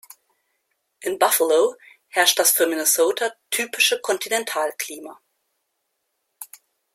In Buffalo herrscht das für Minnesota typische Kontinentalklima.